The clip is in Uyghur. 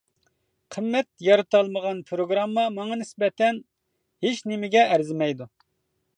قىممەت يارىتالمىغان پىروگرامما ماڭا نىسبەتەن ھېچنېمىگە ئەرزىمەيدۇ.